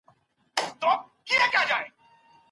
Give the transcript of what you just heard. محصلین به په راتلونکي کي د ساحې مطالعې ته پام وکړي.